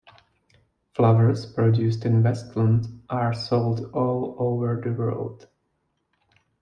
Flowers produced in Westland are sold all over the world.